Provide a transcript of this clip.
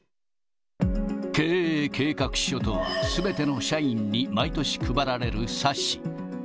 経営計画書とは、すべての社員に毎年配られる冊子。